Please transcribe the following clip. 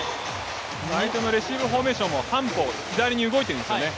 相手のレシーブフォーメーションも半歩左に動いてるんですよね。